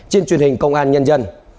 trên truyền hình công an nhân dân